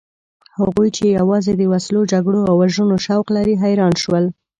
هغوی چې یوازې د وسلو، جګړو او وژنو شوق لري حیران شول.